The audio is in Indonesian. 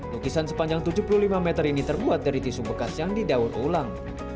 lukisan sepanjang tujuh puluh lima meter ini terbuat dari tisu bekas yang didaur ulang